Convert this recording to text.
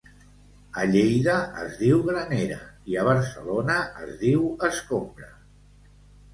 A Lleida es diu granera i a Barcelona es diu escombra